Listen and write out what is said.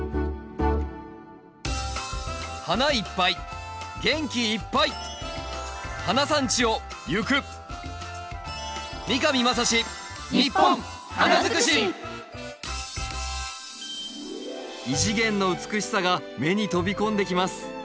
花いっぱい元気いっぱい花産地をゆく異次元の美しさが目に飛び込んできます。